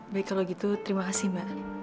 baik kalau gitu terima kasih mbak